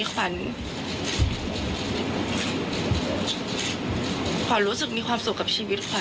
ขวัญรู้สึกมีความสุขกับชีวิตขวัญ